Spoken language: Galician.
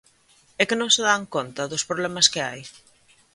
¿E que non se dan conta dos problemas que hai?